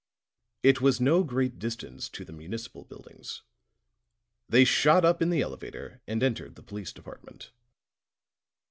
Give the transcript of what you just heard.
It was no great distance to the municipal buildings; they shot up in the elevator and entered the police department.